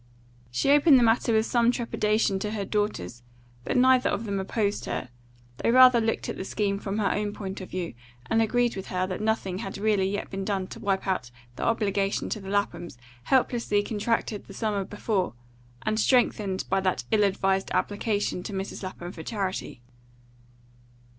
She opened the matter with some trepidation to her daughters, but neither of them opposed her; they rather looked at the scheme from her own point of view, and agreed with her that nothing had really yet been done to wipe out the obligation to the Laphams helplessly contracted the summer before, and strengthened by that ill advised application to Mrs. Lapham for charity.